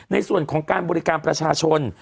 ในส่วนของการบริการประชาชน